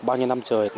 bao nhiêu năm trời